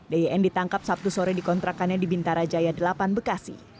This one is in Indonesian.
d y n ditangkap sabtu sore di kontrakannya di bintara jaya delapan bekasi